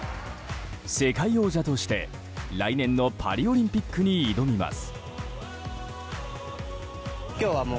世界王者として、来年のパリオリンピックに挑みます。